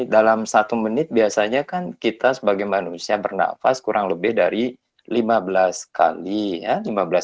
dalam satu menit biasanya kan kita sebagai manusia bernafas kurang lebih dari lima belas kali ya